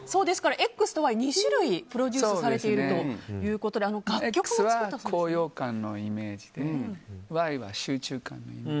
ＸとＹ、２種類プロデュースされているということでＸは高揚感のいめーじでＹは集中。